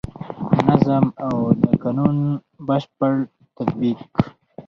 نظم او د قانون بشپړ تطبیق.